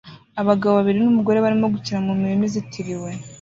Abagabo babiri numugore barimo gukina mumurima uzitiriwe